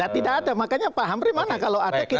tidak ada makanya pak hamri mana kalau ada kita